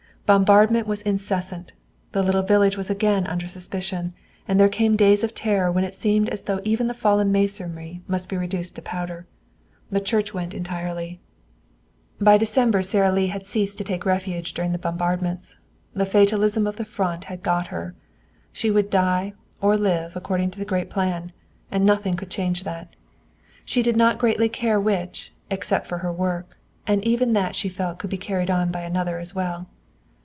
Bombardment was incessant. The little village was again under suspicion, and there came days of terror when it seemed as though even the fallen masonry must be reduced to powder. The church went entirely. By December Sara Lee had ceased to take refuge during the bombardments. The fatalism of the Front had got her. She would die or live according to the great plan, and nothing could change that. She did not greatly care which, except for her work, and even that she felt could be carried on by another as well.